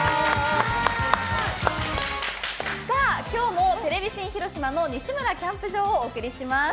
今日もテレビ新広島の「西村キャンプ場」をお送りします。